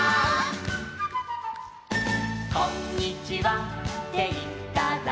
「『こんにちは』っていったら」